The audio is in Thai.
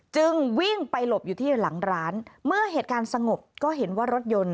จึงวิ่งไปหลบอยู่ที่หลังร้านเมื่อเหตุการณ์สงบก็เห็นว่ารถยนต์